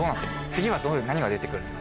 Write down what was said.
次は何が出て来るんだ？」。